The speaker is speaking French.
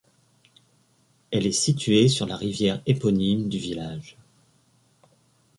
Elle est située sur la rivière éponyme du village.